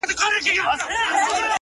o دا درې جامونـه پـه واوښـتـل؛